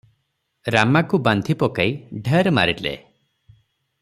ରାମାକୁ ବାନ୍ଧିପକାଇ ଢ଼େର ମାରିଲେ ।